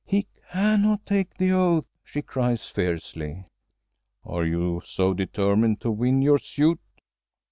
"He cannot take the oath!" she cries fiercely. "Are you so determined to win your suit?"